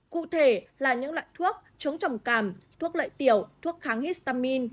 cụ thể là những loại thuốc chống trồng càm thuốc lợi tiểu thuốc kháng histamine